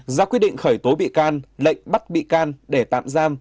một giao quy định khởi tố bị can lệnh bắt bị can để tạm giam